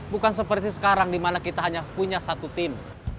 bukan seperti sekarang dimana kita hanya punya satu tim